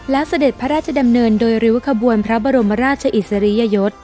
และเสด็จพระราชดำเนินโดยริ้วขบวนพระบรมราชอิสริยยศ